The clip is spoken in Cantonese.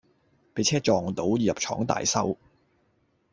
畀車撞到，要入廠大修